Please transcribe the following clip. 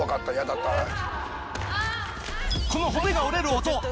この骨が折れる音